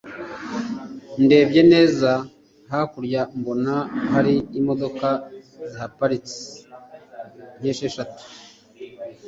ndebye neza hakurya mbona hari imdoka zihaparitse nkeshantu